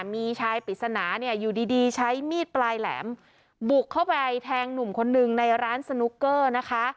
มีชายปริศนาเนี่ยอยู่ดีใช้มีดปลายแหลมบุกเข้าไปแทงหนุ่มคนหนึ่งในร้านสนุกเกอร์นะคะ